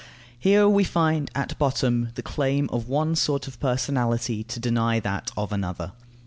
Here we find at bottom the claim of one sort of personality to deny that of another.